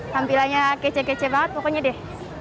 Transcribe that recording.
tampilannya kece kece banget pokoknya deh